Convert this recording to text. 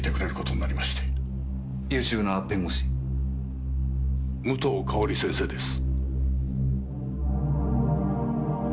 優秀な弁護士？武藤かおり先生です。